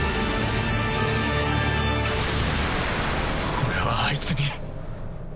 俺はあいつに。